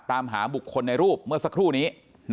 ตามหาบุคคลในรูปเมื่อสักครู่นี้